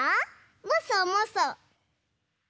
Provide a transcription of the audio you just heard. もそもそ。